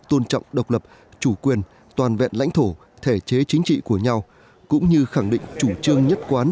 tôn trọng độc lập chủ quyền toàn vẹn lãnh thổ thể chế chính trị của nhau cũng như khẳng định chủ trương nhất quán